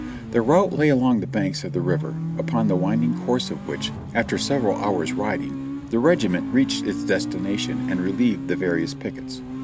The route lay along the banks of the river, upon the winding course of which, after several hours' riding, the regiment reached its destination and relieved the various pickets.